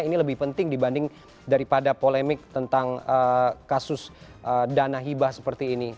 ini lebih penting dibanding daripada polemik tentang kasus dana hibah seperti ini